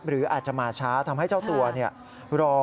หรืออาจจะมาช้าทำให้เจ้าตัวรอ